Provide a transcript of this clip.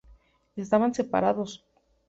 Estaban separados.